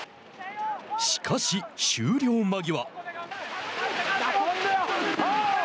しかし、終了間際。